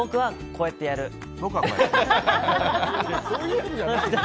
そういうのじゃなくて。